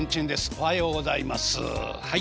おはようございますはい。